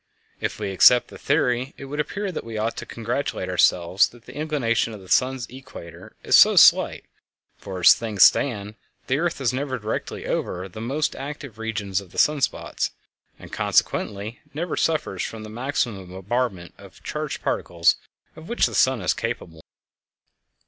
If we accept the theory, it would appear that we ought to congratulate ourselves that the inclination of the sun's equator is so slight, for as things stand the earth is never directly over the most active regions of the sun spots, and consequently never suffers from the maximum bombardment of charged particles of which the sun is capable.